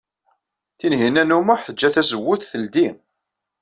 Tinhinan u Muḥ tejja tazewwut teldey.